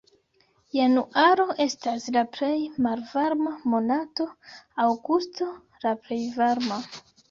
Januaro estas la plej malvarma monato, aŭgusto la plej varma.